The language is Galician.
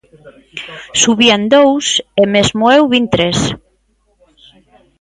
Subían dous, e mesmo eu vin tres.